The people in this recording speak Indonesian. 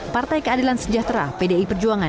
partai keadilan sejahtera pdi perjuangan